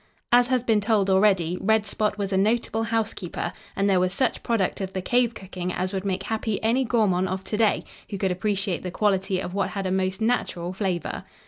As has been told already, Red Spot was a notable housekeeper and there was such product of the cave cooking as would make happy any gourmand of to day who could appreciate the quality of what had a most natural flavor.